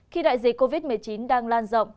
khi đại dịch covid một mươi chín đang lan rộng